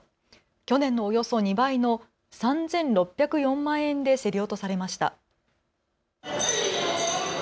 去年のおよそ２倍の３６０４万円で競り落とされました。